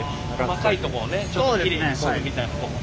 細かいとこをねちょっときれいにしとくみたいなとこなんやね。